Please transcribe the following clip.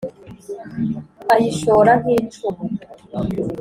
ayishora nk'icumu